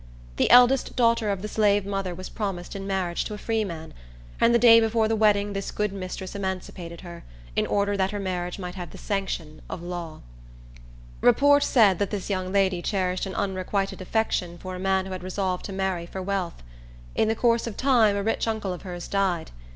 The eldest daughter of the slave mother was promised in marriage to a free man; and the day before the wedding this good mistress emancipated her, in order that her marriage might have the sanction of law. Report said that this young lady cherished an unrequited affection for a man who had resolved to marry for wealth. In the course of time a rich uncle of hers died.